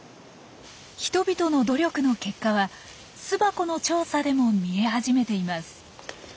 人々の努力の結果は巣箱の調査でも見え始めています。